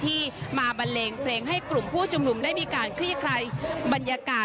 ที่มาบันเลงเพลงให้กลุ่มผู้ชุมนุมได้มีการคลี่คลายบรรยากาศ